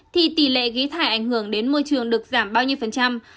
thì tỷ lệ khí thải ảnh hưởng đến môi trường được giảm bao nhiêu phần trăm